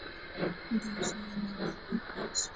There is no longer a web page.